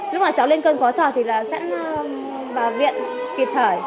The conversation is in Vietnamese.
lúc nào cháu lên cơn khó thở thì sẽ vào viện kịp thở